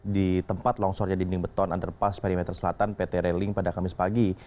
di tempat longsornya dinding beton underpass perimeter selatan pt railing pada kamis pagi